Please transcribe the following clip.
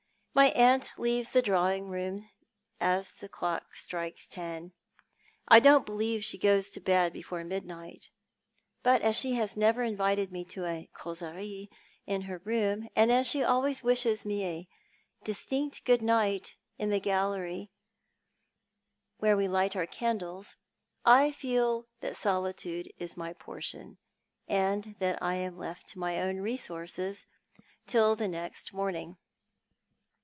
My aunt leaves the drawing room as the clock strikes ten. I don't believe she goes to bed before mid niglit, but as she has never invited me to a " causerie " in her room, and as she always wishes me a distinct good night in tbe gallery where we light our candles, I feel that solitude is my portion, and that I am left to my own resources till the next morning.